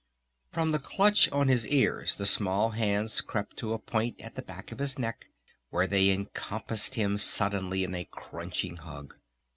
From the clutch on his ears the small hands crept to a point at the back of his neck where they encompassed him suddenly in a crunching hug.